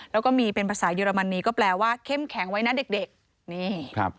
แล้วก็มีเป็นภาษาเยอรมนีก็แปลว่าเข้มแข็งไว้นะเด็กเด็กนี่ครับ